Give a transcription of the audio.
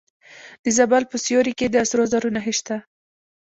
د زابل په سیوري کې د سرو زرو نښې شته.